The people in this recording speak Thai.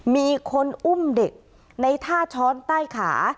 มีคนอุ้มเด็กในท่าช้อนใต้ขา